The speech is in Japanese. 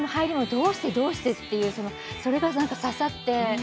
「どうしてどうして」とそれが刺さって。